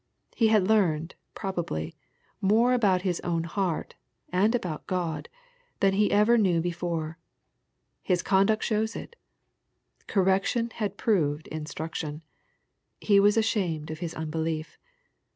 He had learned, probably, more about his own heart, and about God, than he ever knew before. His conduct shows it. Correction had proved instruction. He was ashamed of his unbelief.